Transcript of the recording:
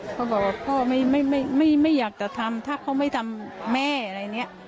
เขาก็บอกว่าพ่อไม่ไม่ไม่ไม่ไม่อยากจะทำถ้าเขาไม่ทำแม่อะไรเนี้ย